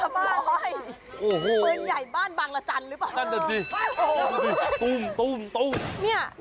ปืนใหญ่บ้านบางละจันหรือเปล่านั่นน่ะสิตุ้มตุ้มตุ้ม